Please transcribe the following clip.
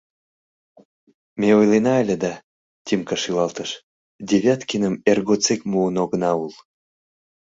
— Ме ойлена ыле да, — Тимка шӱлалтыш, — Девяткиным эр годсек муын огына ул...